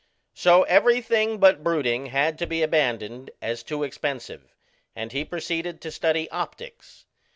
So everything but brooding had to be abandoned as too expensive, and he proceeded to study optics.